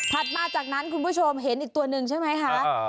มาจากนั้นคุณผู้ชมเห็นอีกตัวหนึ่งใช่ไหมคะ